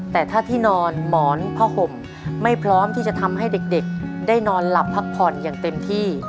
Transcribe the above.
แต่ถ้าที่นอนหมอนผ้าห่มไม่พร้อมที่จะทำให้เด็กได้นอนหลับพักผ่อนอย่างเต็มที่